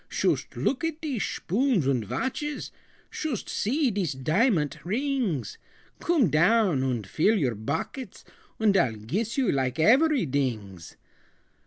"Shoost look at dese shpoons und vatches! Shoost see dese diamant rings! Coom down und full your bockets, Und I'll giss you like averydings.